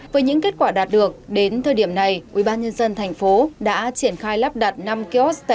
với những kết quả đạt được đến thời điểm này ubnd tp đã triển khai lắp đặt năm kos